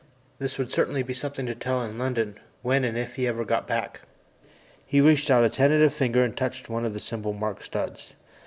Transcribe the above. This would certainly be something to tell in London when and if he ever got back. He reached out a tentative finger and touched one of the symbol marked studs.